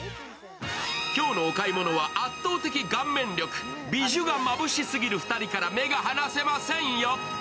今日のお買い物は圧倒的顔面力、ビジュがまぶしすぎる２人から目が離せませんよ。